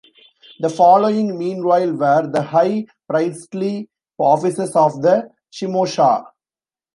The following meanwhile were the high priestly offices of the "Shimosha".